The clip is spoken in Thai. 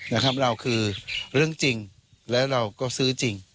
นะครับเราคือเรื่องจริงแล้วเราก็ซื้อจริง